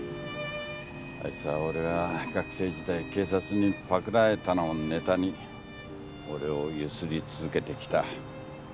あいつは俺が学生時代警察にパクられたのをネタに俺を強請り続けてきた。